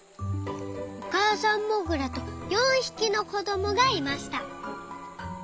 おかあさんモグラと４ひきのこどもがいました。